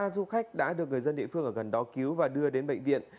ba du khách đã được người dân địa phương ở gần đó cứu và đưa đến bệnh viện